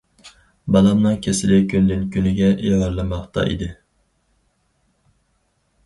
بالامنىڭ كېسىلى كۈندىن- كۈنگە ئېغىرلىماقتا ئىدى.